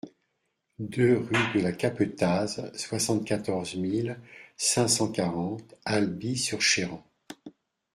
deux rue de la Capetaz, soixante-quatorze mille cinq cent quarante Alby-sur-Chéran